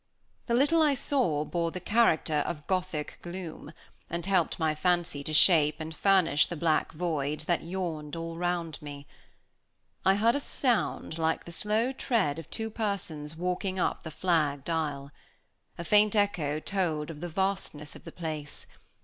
The little I saw bore the character of Gothic gloom, and helped my fancy to shape and furnish the black void that yawned all round me. I heard a sound like the slow tread of two persons walking up the flagged aisle. A faint echo told of the vastness of the place.